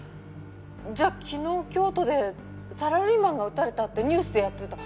じゃあ昨日京都でサラリーマンが撃たれたってニュースでやってた。